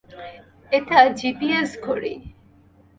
এটা জিপিএস ঘড়ি।